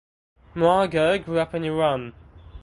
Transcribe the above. Mohaghegh grew up in Iran.